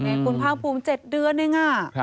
ในกลุ่มภาคภูมิ๗เดือนหนึ่ง